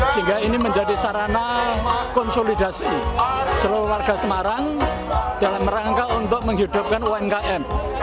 sehingga ini menjadi sarana konsolidasi seluruh warga semarang dalam rangka untuk menghidupkan umkm